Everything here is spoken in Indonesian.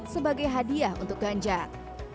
sebagai hadiah untuk ganjat